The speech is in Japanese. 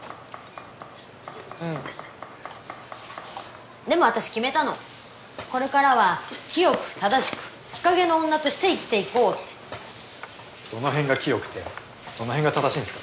うんでも私決めたのこれからは清く正しく日陰の女として生きていこうってどの辺が清くてどの辺が正しいんですか？